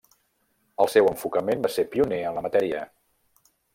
El seu enfocament va ser pioner en la matèria.